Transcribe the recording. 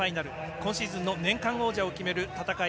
今シーズンの年間王者を決める戦い。